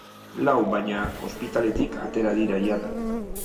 Lau, baina, ospitaletik atera dira jada.